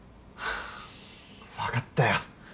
分かったよ。